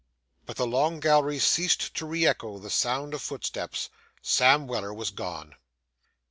But the long gallery ceased to re echo the sound of footsteps. Sam Weller was gone.